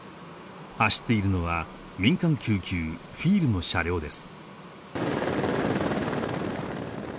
走っているのは民間救急フィールの車両です